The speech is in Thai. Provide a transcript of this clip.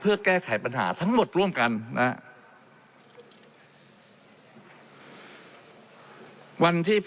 และมีผลกระทบไปทุกสาขาอาชีพชาติ